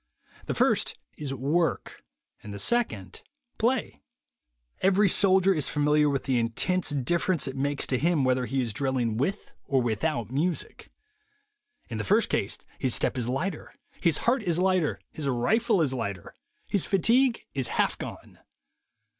The first is "work," the second "pl a )'" Every soldier is familiar with the immense difference it makes to him whether he is drilling with or without music: THE WAY TO WILL POWER 145 in the first case his step is lighter, his heart is lighter, his rifle is lighter; his fatigue is half gone.